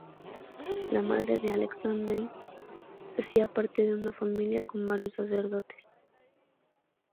La madre de Alexandrine hacía parte de una familia con varios sacerdotes.